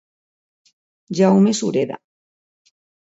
Jaume Sureda.